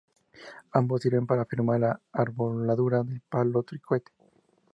Ambos sirven para afirmar la arboladura del palo trinquete.